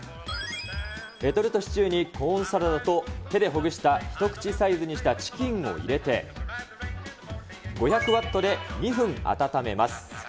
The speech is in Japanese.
レトルトシチューにコーンサラダと、手でほぐした一口サイズにしたチキンを入れて、５００ワットで２分温めます。